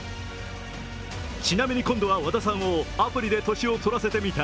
ちなみに、今度は和田さんをアプリで年を取らせてみた。